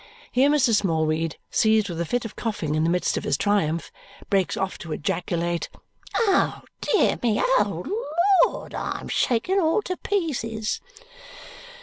Here Mr. Smallweed, seized with a fit of coughing in the midst of his triumph, breaks off to ejaculate, "Oh, dear me! Oh, Lord! I'm shaken all to pieces!"